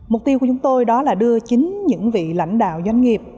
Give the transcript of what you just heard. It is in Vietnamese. mục tiêu của chúng tôi đó là đưa chính những vị lãnh đạo doanh nghiệp